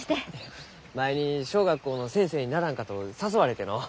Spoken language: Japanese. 前に小学校の先生にならんかと誘われてのう。